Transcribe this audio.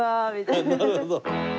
なるほど。